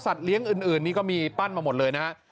เลี้ยงอื่นนี่ก็มีปั้นมาหมดเลยนะฮะ